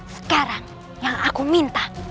sekarang yang aku minta